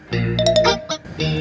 jangan di sini